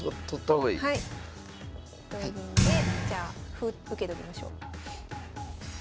同銀でじゃあ歩受けときましょう。